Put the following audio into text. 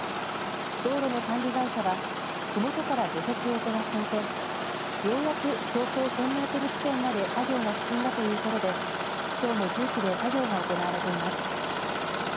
道路の管理会社はふもとから除雪を行っていてようやく標高１０００メートル地点まで作業が進んだということできょうも重機で作業が行われています。